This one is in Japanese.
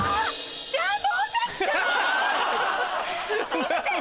すいません